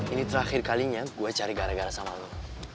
ini terakhir kalinya gue cari gara gara sama lo